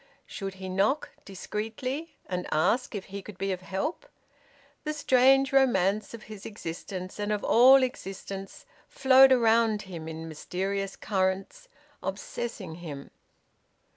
Should he knock, discreetly, and ask if he could be of help? The strange romance of his existence, and of all existence, flowed around him in mysterious currents, obsessing him.